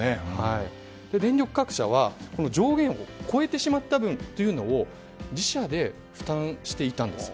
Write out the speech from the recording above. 電力各社は上限を超えてしまった分を自社で負担していたんです。